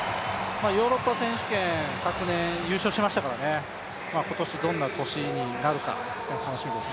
ヨーロッパ選手権、昨年優勝しましたから今年どんな年になるか楽しみです。